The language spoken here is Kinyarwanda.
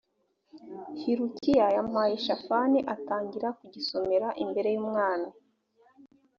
hilukiya yampaye shafani atangira kugisomera imbere y’ umwami